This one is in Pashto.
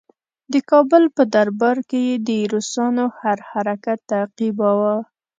د کابل په دربار کې یې د روسانو هر حرکت تعقیباوه.